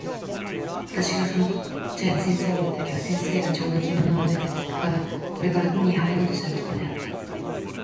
私（わたくし）がその掛茶屋で先生を見た時は、先生がちょうど着物を脱いでこれから海へ入ろうとするところであった。